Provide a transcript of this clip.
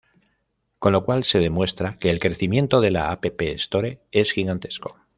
Con lo cual se demuestra que el crecimiento de la App Store es gigantesco.